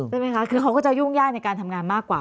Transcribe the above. ใช่ไหมคะคือเขาก็จะยุ่งยากในการทำงานมากกว่า